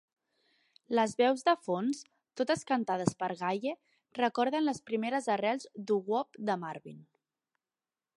Les veus de fons, totes cantades per Gaye, recorden les primeres arrels doo-wop de Marvin.